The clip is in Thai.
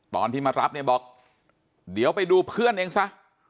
ตอนที่มารับเนี่ยบอกเดี๋ยวไปดูเพื่อนเองซะ